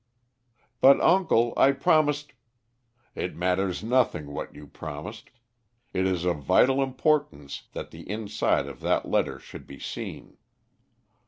"But uncle, I promised " "It matters nothing what you promised. It is of vital importance that the inside of that letter should be seen.